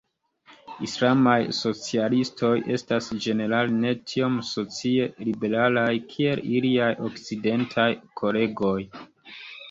Islamaj socialistoj estas ĝenerale ne tiom socie liberalaj kiel iliaj okcidentaj kolegoj.